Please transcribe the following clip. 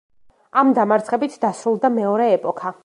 ამ დამარცხებით დასრულდა მეორე ეპოქა.